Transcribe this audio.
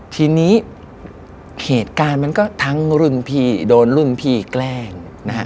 ทีนี้เหตุการณ์มันก็ทั้งรุ่นพี่โดนรุ่นพี่แกล้งนะฮะ